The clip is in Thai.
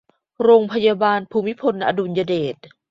โรงพยาบาลภูมิพลอดุลยเดช